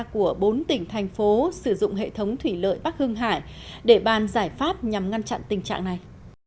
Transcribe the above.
của bốn tỉnh thành phố sử dụng hệ thống thủy lợi bắc hưng hải để bàn giải pháp nhằm ngăn chặn tình trạng này